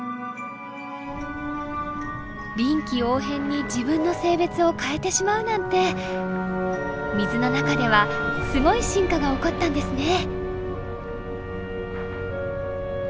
臨機応変に自分の性別を変えてしまうなんて水の中ではすごい進化が起こったんですね。